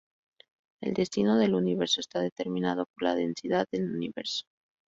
El destino del universo está determinado por la densidad del universo.